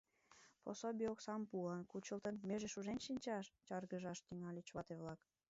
— Пособий оксам пулан кучылтын, меже шужен шинчаш? — чаргыжаш тӱҥальыч вате-влак.